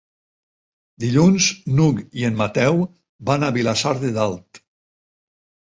Dilluns n'Hug i en Mateu van a Vilassar de Dalt.